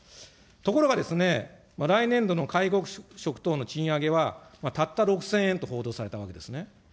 ところが、来年度の介護職等の賃上げは、たった６０００円と報道されたわけですね。